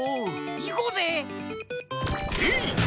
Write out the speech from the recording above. いこうぜ！てい！